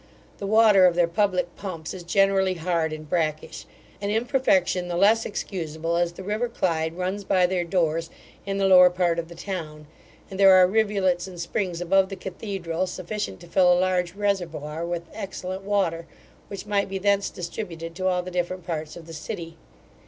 The water of their public pumps is generally hard and brackish, an imperfection the loss excusable, as the river Clyde runs by their doors, in the lower part of the town; and there are rivulets and springs above the cathedral, sufficient to fill a large reservoir with excellent water, which might be thence distributed to all the different parts of the city.